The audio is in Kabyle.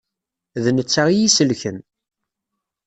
D netta i yi-isellken.